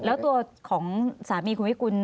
แล้วตัวของสามีคุณวิกุล